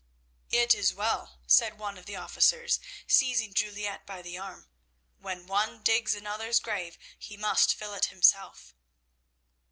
"'It is well done,' said one of the officers, seizing Juliette by the arm; 'when one digs another's grave he must fill it himself.'